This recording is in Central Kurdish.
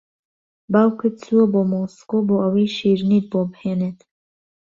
باوکت چووە بۆ مۆسکۆ بۆ ئەوەی شیرینیت بۆ بھێنێت